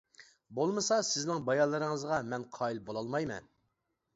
بولمىسا سىزنىڭ بايانلىرىڭىزغا مەن قايىل بولالمايمەن.